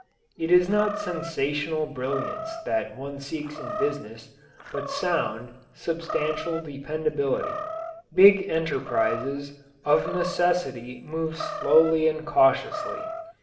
It is not sensational brilliance that one seeks in business, but sound, substantial dependability. Big enterprises of necessity move slowly and cautiously.